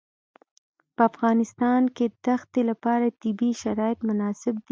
په افغانستان کې د ښتې لپاره طبیعي شرایط مناسب دي.